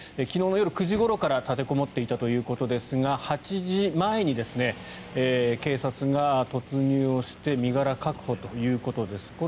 昨日の夜９時ごろから立てこもっていたということですが８時前に警察が突入して身柄確保ということです。